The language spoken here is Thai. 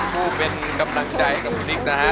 ผู้เป็นกำลังใจกับคุณนิกนะฮะ